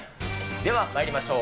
ではまいりましょう。